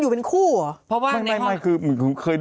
มันมีคู่เหรอ